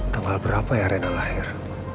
tanggal berapa ya reda lahir